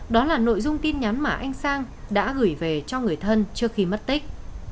đó là nội dung tin nhắn mà anh sang đã gửi về cho người thân trước khi mất tích